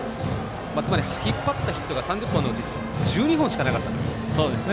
つまり引っ張ったヒットが３０本のヒットのうち１２本しかなかったと。